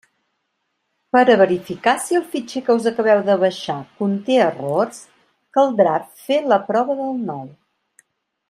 Per a verificar si el fitxer que us acabeu de baixar conté errors, caldrà “fer la prova del nou”.